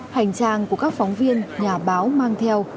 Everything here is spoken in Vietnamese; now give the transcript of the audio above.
hành trang của các phóng viên nhà báo mang theo